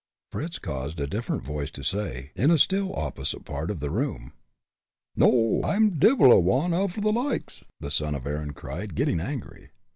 Fritz caused a different voice to say, in a still opposite part of the room. "No, I'm divil a wan av the likes!" the son of Erin cried, getting angry.